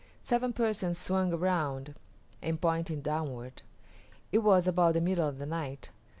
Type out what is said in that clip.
Seven Persons swung around and pointed downward. It was about the middle of the night.